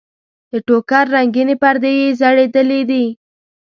د ټوکر رنګینې پردې یې ځړېدلې دي.